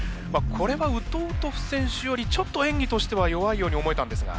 これはウトウトフ選手よりちょっとえんぎとしては弱いように思えたんですが。